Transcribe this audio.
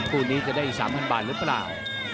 คู่นี้จะได้อีก๓๐๐บาทหรือเปล่า